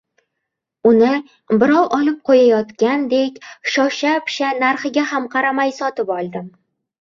Uni birov olib qoʻyayotgandek, shosha-pisha, narxiga ham qaramay sotib oldim.